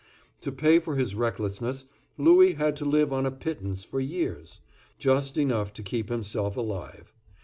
To pay for his recklessness Louis had to live on a pittance for years; just enough to keep himself alive.